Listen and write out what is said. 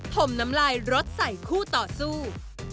มน้ำลายรถใส่คู่ต่อสู้